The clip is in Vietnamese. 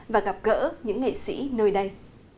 và gặp gỡ những nghệ sĩ nơi đây